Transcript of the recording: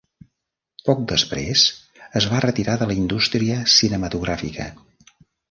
Poc després es va retirar de la indústria cinematogràfica.